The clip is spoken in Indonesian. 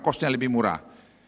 cost nya lebih murah